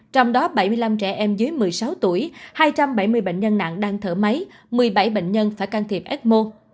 trong đó bảy mươi năm trẻ em dưới một mươi sáu tuổi hai trăm bảy mươi bệnh nhân nặng đang thở máy một mươi bảy bệnh nhân phải can thiệp ecmo